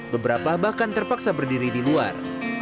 beberapa bahkan terpaksa berdiri di luar